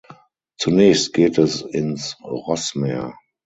Zunächst geht es ins Rossmeer.